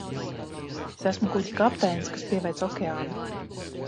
Es esmu kuģa kapteinis, kas pieveic okeānu!